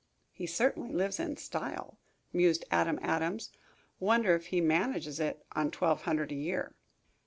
"He certainly lives in style," mused Adam Adams. "Wonder if he manages it on twelve hundred a year?"